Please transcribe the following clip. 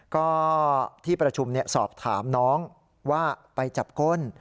ก็ที่ประชุมสอบถามน้องว่าไปจับก้น